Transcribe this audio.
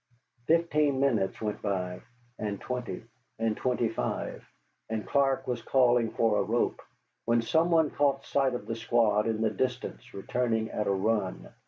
Fifteen minutes went by, and twenty, and twenty five, and Clark was calling for a rope, when some one caught sight of the squad in the distance returning at a run.